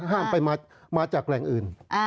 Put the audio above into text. ห้ามไปมาจากแหล่งอื่น